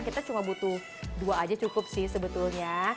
kita cuma butuh dua aja cukup sih sebetulnya